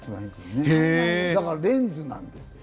だからレンズなんですよ。